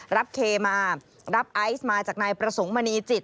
เคมารับไอซ์มาจากนายประสงค์มณีจิต